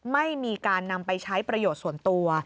ไม่มีการนำไปใช้ประโยชน์ส่วนตัว